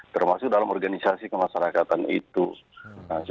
termasuk dalam organisasi kemasyarakatan itu